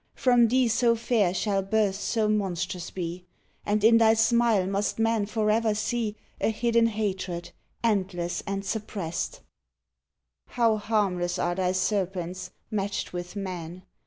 From thee so fair shall births so monstrous be, And in thy smile must man forever see A hidden hatred, endless and suj pressed? How harmless are thy serpents, matched with man